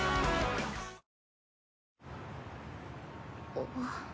あっ。